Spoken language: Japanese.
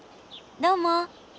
どうも。